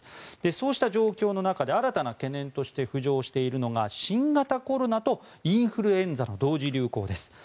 そうした状況の中で新たな懸念として浮上しているのが新型コロナとインフルエンザの同時流行です。